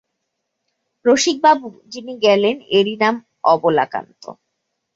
রসিকবাবু, যিনি গেলেন এঁরই নাম অবলাকান্ত?